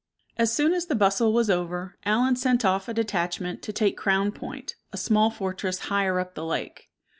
As soon as the bustle was over, Allen sent off a detachment to take Crown Point, a small fortress higher up the lake.